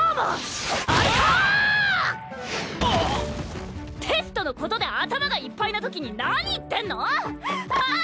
おわっテストのことで頭がいっぱいなときに何言ってんの⁉ああ！